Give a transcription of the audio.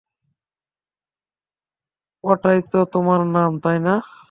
এটাই তো তোমার নাম, তাই না?